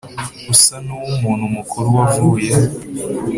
usa nuwumuntu mukuru wavuye